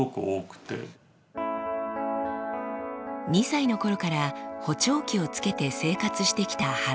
２歳の頃から補聴器をつけて生活してきた原さん。